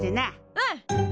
うん！